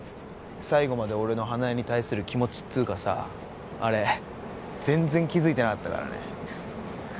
最後まで俺の花枝に対する気持ちっつーかさあれ全然気づいてなかったからね